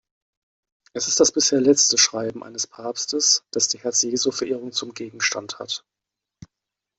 Es ist das bisher letzte Schreiben eines Papstes, das die Herz-Jesu-Verehrung zum Gegenstand hat.